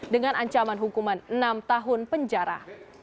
dengan ancaman hukuman enam tahun penjara